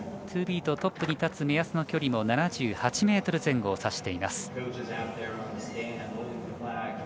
ツービート、トップに立つ目安の距離も７８ｍ前後を指しています。